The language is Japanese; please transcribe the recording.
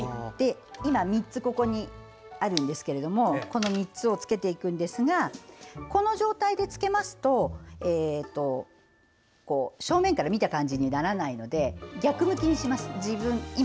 今、３つここにありますがこの３つをつけていくんですがこの状態でつけますと正面から見た感じにならないので逆向きにします。